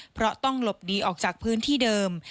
เพราะต้องหลบหนีออกจากพื้นที่เดิม